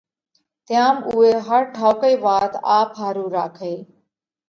تيام اُوئي هر ٺائُوڪئِي وات آپ ۿارُو راکئِي